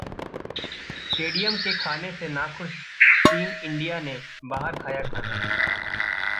stadium के खाने से नाखुश टीम इंडिया ने बाहर खाया खाना